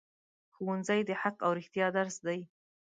ښوونځی د حق او رښتیا درس دی